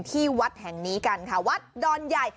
ที่วัดแห่งนี้กันค่ะวัดดอนใหญ่